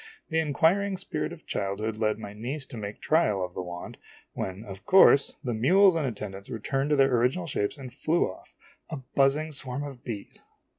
The inquiring spirit of childhood led my niece to make trial of the wand, when, of course, the mules and attendants returned to their original shapes and flew off, a buzzing swarm of bees